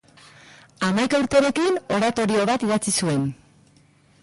Hamaika urterekin oratorio bat idatzi zuen.